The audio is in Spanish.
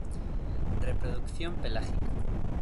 Reproducción pelágica.